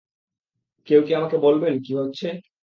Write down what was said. কেউ কি আমাকে বলবেন কি হচ্ছে?